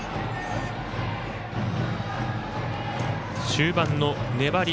終盤の粘り。